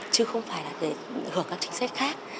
chứ không phải là để hưởng các chính sách khác